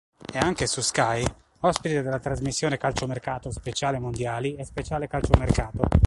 È anche su Sky, ospite della trasmissione "Calciomercato speciale mondiali" e "Speciale Calciomercato".